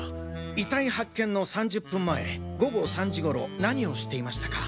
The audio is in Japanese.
遺体発見の３０分前午後３時頃何をしていましたか？